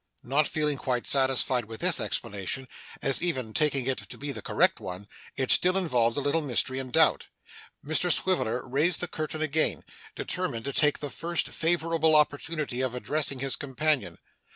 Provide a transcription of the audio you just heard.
Not feeling quite satisfied with this explanation, as, even taking it to be the correct one, it still involved a little mystery and doubt, Mr Swiveller raised the curtain again, determined to take the first favourable opportunity of addressing his companion.